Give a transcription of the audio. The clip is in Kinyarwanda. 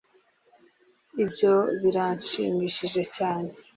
ibyo biranshimishije cyane